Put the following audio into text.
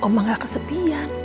ma gak kesepian